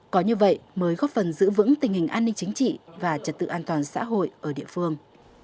có như vậy mới góp phần giữ vững tình hình an ninh chính trị và trật tự an toàn xã hội ở địa phương